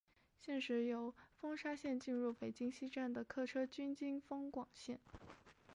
现时由丰沙线进入北京西站的客车均经丰广线。